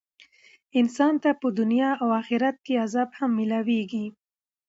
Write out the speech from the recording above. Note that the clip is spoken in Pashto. انسان ته په دنيا او آخرت کي عذاب هم ميلاويږي .